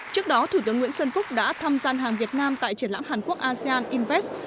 trước đó thủ tướng nguyễn xuân phúc đã thăm gian hàng việt nam tại triển lãm hàn quốc asean invest